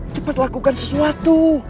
cepat lakukan sesuatu